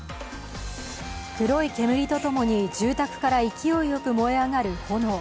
黒い煙とともに住宅から勢いよく燃え上がる炎。